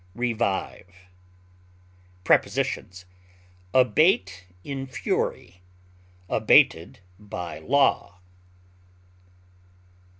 develop, Prepositions: Abate in fury; abated by law.